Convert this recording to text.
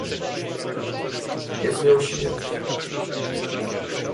"Jest nią śmierć."